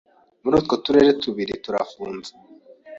muri utwo turere tubiri turafunze